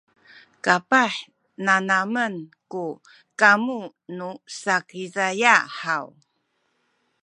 kapah nanamen ku kamu nu Sakizaya haw?